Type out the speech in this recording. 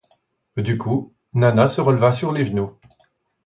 Du coup, Nana se releva sur les genoux.